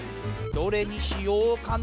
どれにしようかな？